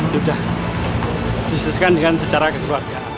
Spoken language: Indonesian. sudah disesuaikan dengan secara keseluruhan